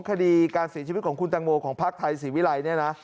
คดีการเสียชีวิตของคุณตังโมของภาคไทยศรีวิรัยเนี่ยนะ